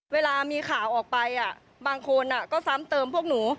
เวลามีข่าวออกไปบางคนก็ซ้ำเติมพวกหนู